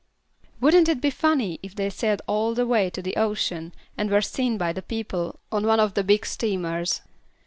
"Wouldn't it be funny if they sailed all the way to the ocean and were seen by the people on one of the big steamers.